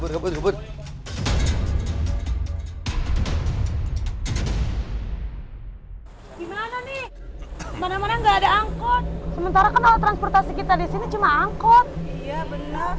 gimana nih mana mana enggak ada angkot sementara kenal transportasi kita disini cuma angkot iya benar